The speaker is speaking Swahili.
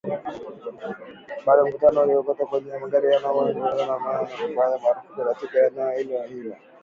bado mkutano ulikuwa kwenye magari na mikutano mingine haikupigwa marufuku katika eneo hilo hilo